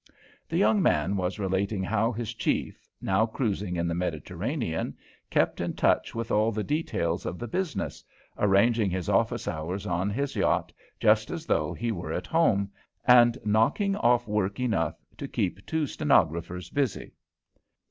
The young man was relating how his chief, now cruising in the Mediterranean, kept in touch with all the details of the business, arranging his office hours on his yacht just as though he were at home, and "knocking off work enough to keep two stenographers busy."